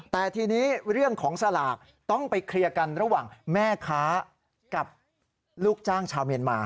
แต่ทีนี้เรื่องของสลากต้องไปเคลียร์กันระหว่างแม่ค้ากับลูกจ้างชาวเมียนมา